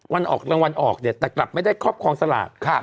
วันออกรางวัลออกเนี่ยแต่กลับไม่ได้ครอบครองสลาก